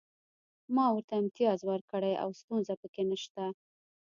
ما ورته امتیاز ورکړی او ستونزه پکې نشته